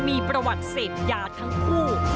มีประวัติเสพยาทั้งคู่